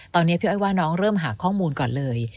ตอนนี้พี่อ้อยว่าน้องเริ่มหาข้อมูลก่อนเลย